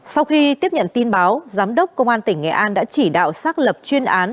sau khi tiếp nhận tin báo giám đốc công an tỉnh nghệ an đã chỉ đạo xác lập chuyên án